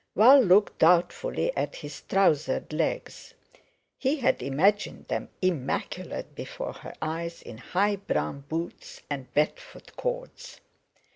Val looked doubtfully at his trousered legs. He had imagined them immaculate before her eyes in high brown boots and Bedford cords.